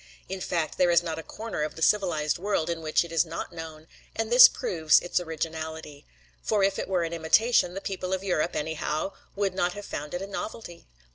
In fact, there is not a corner of the civilized world in which it is not known, and this proves its originality; for if it were an imitation, the people of Europe, anyhow, would not have found it a novelty.